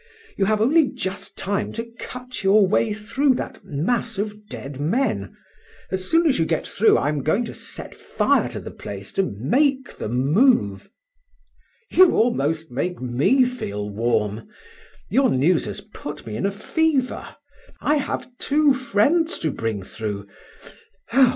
You have only just time to cut your way through that mass of dead men; as soon as you get through, I am going to set fire to the place to make them move " "You almost make me feel warm! Your news has put me in a fever; I have two friends to bring through. Ah!